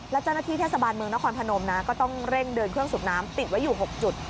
และเจ้าหน้าที่เทศบาลเมืองนครพนมนะก็ต้องเร่งเดินเครื่องสูบน้ำติดไว้อยู่๖จุด